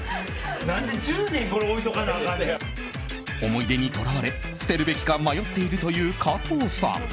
思い出にとらわれ捨てるべきか迷っているという加藤さん。